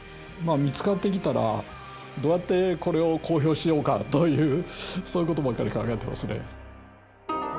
まあ見つかってきたらどうやってこれを公表しようかというそういうことばっかり考えてますね。